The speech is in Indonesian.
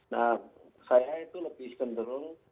nah saya itu lebih cenderung